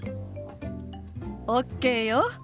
ＯＫよ。